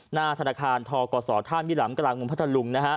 หน้าธนาคารทกศธ่านยิหลัมกลางเมืองพัทธาลุง